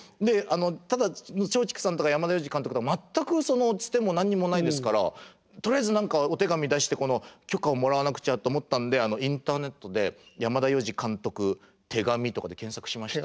ただ松竹さんとか山田洋次監督とは全くつても何にもないですからとりあえず何かお手紙出して許可をもらわなくちゃと思ったんでインターネットで「山田洋次監督手紙」とかで検索しまして。